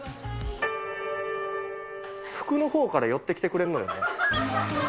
服のほうから寄ってきてくれるのよね。